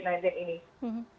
sampai berjatuh hampir